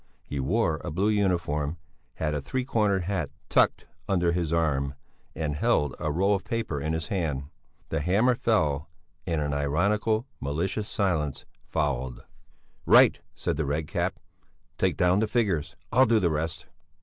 He wore a blue uniform, had a three cornered hat tucked under his arm and held a roll of paper in his hand. The hammer fell and an ironical, malicious silence followed. "Write," said the Red Cap; "take down the figures, I'll do the rest."